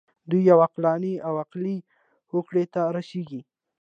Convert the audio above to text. دوی یوې عقلاني او عقلایي هوکړې ته رسیږي.